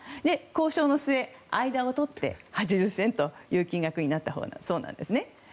交渉の末、間をとって８０銭という金額になったそうなんですね。